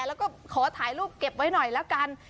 แล้วก็ขอถ่ายรูปเก็บไว้หน่อยแล้วกัน